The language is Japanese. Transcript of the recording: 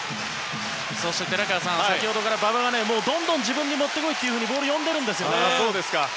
そして、寺川さん先ほどから馬場はどんどん自分に持って来いとボールを呼んでいるんですね。